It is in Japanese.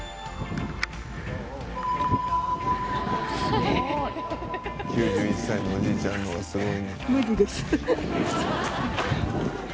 すごい！９１歳のおじいちゃんの方がすごい。